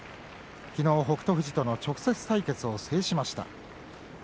昨日、北勝富士との直接対決を制しました。